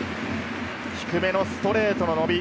低めのストレートの伸び。